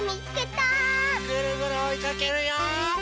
ぐるぐるおいかけるよ！